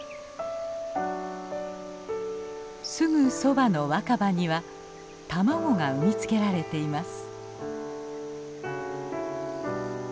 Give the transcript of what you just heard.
すぐそばの若葉には卵が産み付けられています。